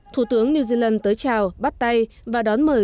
thủ tướng new zealand tới chào bắt tay và đón mời